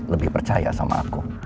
lebih percaya sama aku